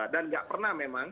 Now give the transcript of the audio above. dan nggak pernah memang ya